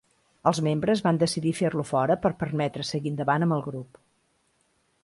Els membres van decidir fer-lo fora per permetre seguir endavant amb el grup.